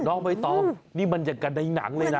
น้องใบตองนี่มันอย่างกันในหนังเลยนะ